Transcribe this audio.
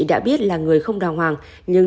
đã biết là người không đào hoàng nhưng